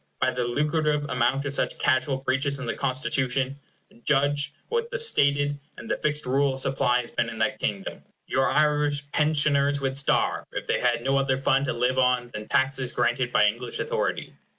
By the lucrative amount of such casual breaches in the Constitution, judge what the stated and fixed rule of supply has been in that kingdom. Your Irish pensioners would starve, if they had no other fund to live on than taxes granted by English authority.